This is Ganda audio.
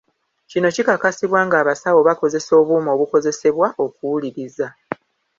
Kino kikakasibwa ng'abasawo bakozesa obuuma obukozesebwa okuwuliriza